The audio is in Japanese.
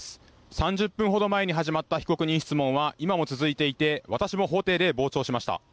３０分ほど前に始まった被告人質問は今も続いていて私も法廷で傍聴しました。